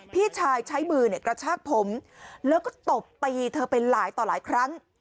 พี่ชายใช้มือกระชากผมแล้วก็ตบตีเธอไปหลายต่อหลายครั้ง